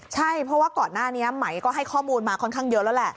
ใช่เพราะว่าก่อนหน้านี้ไหมก็ให้ข้อมูลมาค่อนข้างเยอะแล้วแหละ